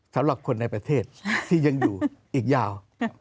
สำหรับคนในประเทศที่ยังอยู่อีกยาว